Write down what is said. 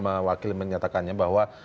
saya sama wakil menyatakannya bahwa